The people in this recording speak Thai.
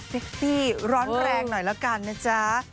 ซี่ร้อนแรงหน่อยแล้วกันนะจ๊ะ